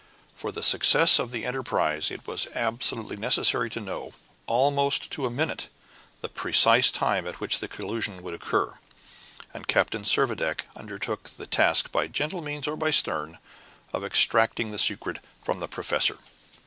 For the success of the enterprise it was absolutely necessary to know, almost to a minute, the precise time at which the collision would occur, and Captain Servadac undertook the task, by gentle means or by stern, of extracting the secret from the professor.